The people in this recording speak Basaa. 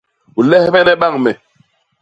U lehbene bañ me.